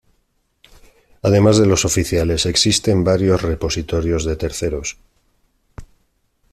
Además de los oficiales, existen varios repositorios de terceros.